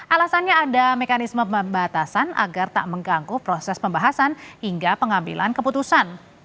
alasannya ada mekanisme pembatasan agar tak mengganggu proses pembahasan hingga pengambilan keputusan